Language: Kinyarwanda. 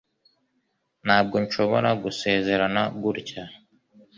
Ntabwo nshobora gusezerana gutya